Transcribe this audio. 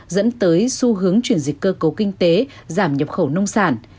dẫn tới xu hướng chuyển dịch cơ cấu kinh tế giảm nhập khẩu nông sản